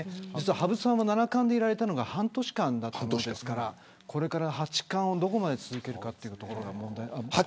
羽生さんは七冠でいられたのが半年間だったものですからこれから八冠をどこまで続けることができるか。